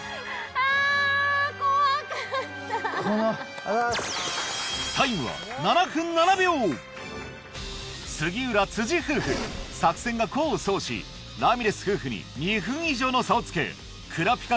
あ怖かったありがとうございます杉浦・辻夫婦作戦が功を奏しラミレス夫婦に２分以上の差をつけクラピカ